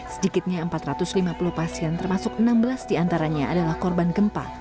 sedikitnya empat ratus lima puluh pasien termasuk enam belas diantaranya adalah korban gempa